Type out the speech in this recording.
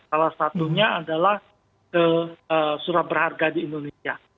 salah satunya adalah surat berharga di indonesia